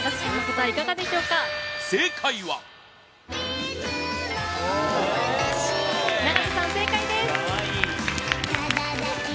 正解は永瀬さん、正解です！